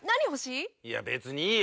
いや別にいいよ